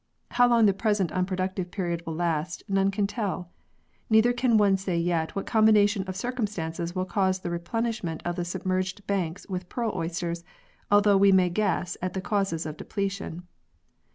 How long the present unproductive period will last, none can tell. Neither can one say yet what combination of circumstances will cause the re plenishment of the submerged banks with pearl oysters, although we may guess at the causes of depletion.